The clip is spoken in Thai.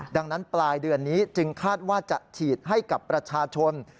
ดังนั้นปลายเดือนนี้จึงคาดว่าจะฉีดให้กับประชาชน